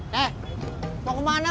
nih mau kemana lo